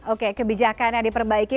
oke kebijakan yang diperbaiki